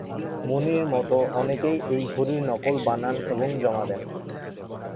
মনির মতো, অনেকেই এই ঘড়ির নকল বানান এবং জমা দেন।